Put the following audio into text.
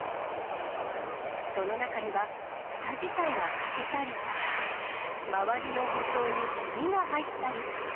その中には、ふた自体が欠けたり、周りの舗装にひびが入ったり。